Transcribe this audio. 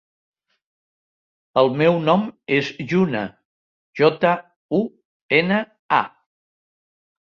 El meu nom és Juna: jota, u, ena, a.